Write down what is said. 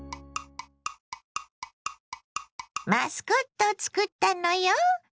マスコットを作ったのよ。